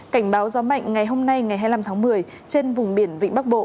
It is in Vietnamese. cảnh báo gió mạnh ngày hôm nay ngày hai mươi năm tháng một mươi trên vùng biển vịnh bắc bộ